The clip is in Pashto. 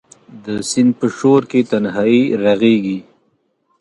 د سیند په شو رکې تنهایې ږغیږې